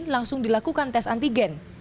langsung dilakukan tes antigen